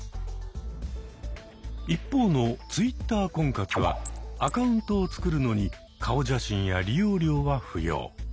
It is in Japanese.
一方のＴｗｉｔｔｅｒ婚活はアカウントを作るのに顔写真や利用料は不要。